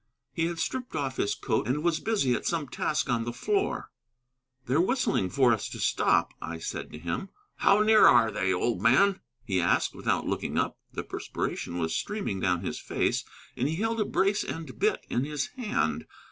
He had stripped off his coat and was busy at some task on the floor. "They're whistling for us to stop," I said to him. "How near are they, old man?" he asked, without looking up. The perspiration was streaming down his face, and he held a brace and bit in his hand.